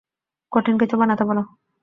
কঠিন কিছু বানাতে বলো।